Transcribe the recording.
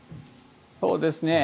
そうですね。